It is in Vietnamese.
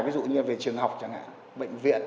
ví dụ như về trường học chẳng hạn bệnh viện